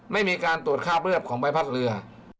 ไม่มีการตรวจคราบเลือดของใบพัดเรือ